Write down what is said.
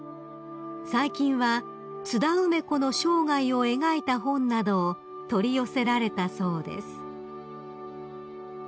最近は津田梅子の生涯を描いた本などを取り寄せられたそうです］